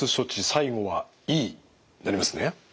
最後はＥになりますね。